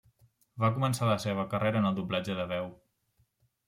Va començar la seva carrera en doblatge de veu.